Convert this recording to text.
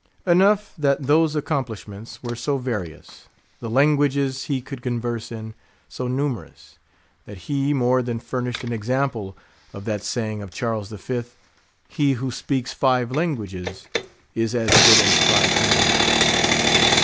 Enough, that those accomplishments were so various; the languages he could converse in, so numerous; that he more than furnished an example of that saying of Charles the Fifth—_ he who speaks five languages is as good as five men_.